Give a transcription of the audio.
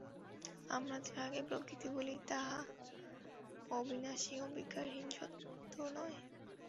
আমরা যাহাকে প্রকৃতি বলি, তাহা অবিনাশী ও বিকারহীন সত্ত্ব নয়।